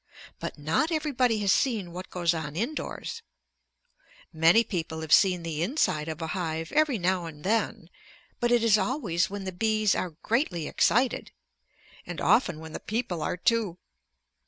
But not everybody has seen what goes on indoors. Many people have seen the inside of a hive every now and then. But it is always when the bees are greatly excited and often when the people are too.